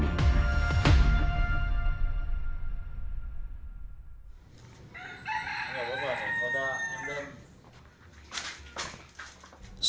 kulit harimau yang diperdagangkan oleh bksda menggunakan kukus dan kukus